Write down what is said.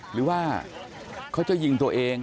หรือว่าเขาจะยิงตัวเอง